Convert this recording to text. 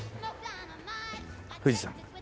富士山。